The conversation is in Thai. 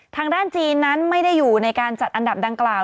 ทางด้านจีนนั้นไม่ได้อยู่ในการจัดอันดับดังกล่าว